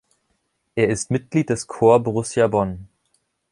Er ist Mitglied des Corps Borussia Bonn.